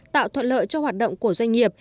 tạo thuận lợi cho hoạt động của doanh nghiệp